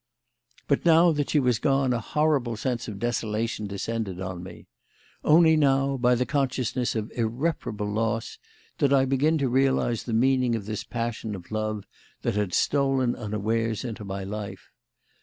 But now that she was gone a horrible sense of desolation descended on me. Only now, by the consciousness of irreparable loss, did I begin to realise the meaning of this passion of love that had stolen unawares into my life.